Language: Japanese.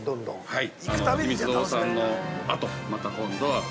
◆はい。